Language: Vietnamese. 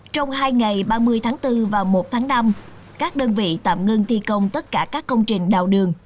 trong hai ngày ba mươi tháng bốn và một tháng năm các đơn vị tạm ngưng thi công tất cả các công trình đào đường